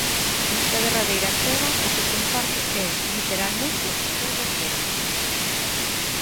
Nesta derradeira entrega o que comparto é, literalmente, todo o ceo.